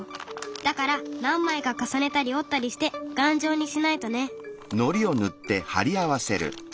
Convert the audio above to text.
だから何枚か重ねたり折ったりして頑丈にしないとね。